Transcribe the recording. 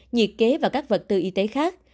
nhiệt kế và các vật tư y tế khác